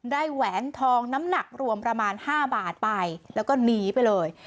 แหวนทองน้ำหนักรวมประมาณ๕บาทไปแล้วก็หนีไปเลย